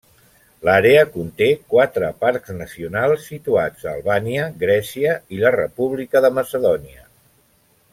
L'àrea conté quatre parcs nacionals situats a Albània, Grècia i la República de Macedònia.